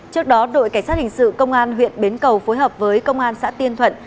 trước đó đội cảnh sát hình sự công an huyện bến cầu phối hợp với công an xã tiên thuận